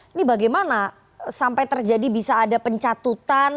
ini bagaimana sampai terjadi bisa ada pencatutan